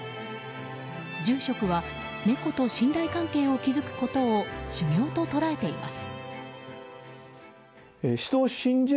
住職は猫と信頼関係を築くことを修行と捉えています。